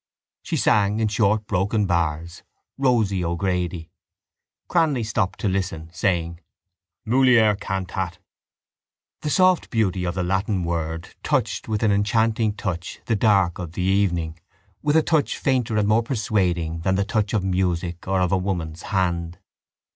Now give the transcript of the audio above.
She sang, in short broken bars: Rosie O'Grady— Cranly stopped to listen, saying: —Mulier cantat. The soft beauty of the Latin word touched with an enchanting touch the dark of the evening, with a touch fainter and more persuading than the touch of music or of a woman's hand.